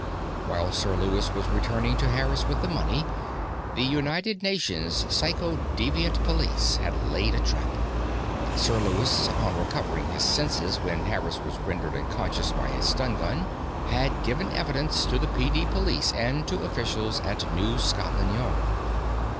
While Sir Lewis was returning to Harris with the money, the United Nations Psychodeviant Police had laid a trap. Sir Lewis, upon recovering his senses when Harris was rendered unconscious by a stun gun, had given evidence to the PD Police and to officials at New Scotland Yard.